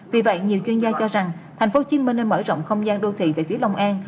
vì vậy nhiều chuyên gia cho rằng tp hcm nên mở rộng không gian đô thị về phía long an